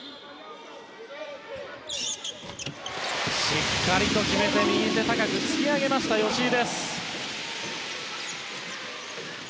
しっかりと決めて右手を高くつき上げた吉井。